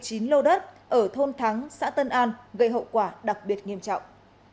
các quyết định này đã được viện kiểm sát nhân dân xã tân an gây hậu quả đặc biệt nghiêm trọng